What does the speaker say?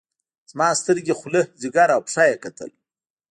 زما سترګې خوله ځيګر او پښه يې کتل.